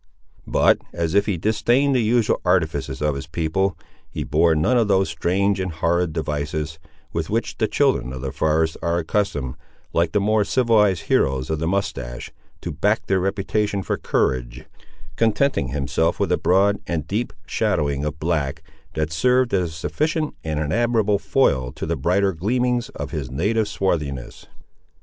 But, as if he disdained the usual artifices of his people, he bore none of those strange and horrid devices, with which the children of the forest are accustomed, like the more civilised heroes of the moustache, to back their reputation for courage, contenting himself with a broad and deep shadowing of black, that served as a sufficient and an admirable foil to the brighter gleamings of his native swarthiness.